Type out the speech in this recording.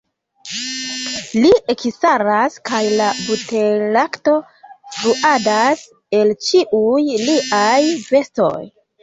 Li ekstaras kaj la buterlakto fluadas el ĉiuj liaj vestoj.